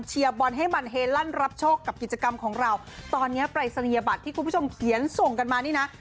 บอลให้มันเฮลั่นรับโชคกับกิจกรรมของเราตอนนี้ปรายศนียบัตรที่คุณผู้ชมเขียนส่งกันมานี่นะ